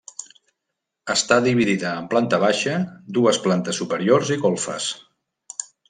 Està dividida en planta baixa, dues plantes superiors i golfes.